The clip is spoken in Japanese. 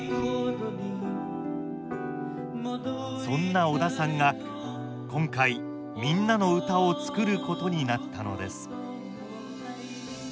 そんな小田さんが今回「みんなのうた」を作ることになったのです。